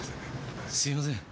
すいません。